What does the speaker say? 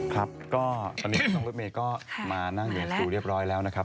ครับตอนนี้รถเมฆก็มานั่งเหนือสู่เรียบร้อยแล้วนะครับ